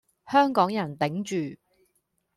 香港人頂住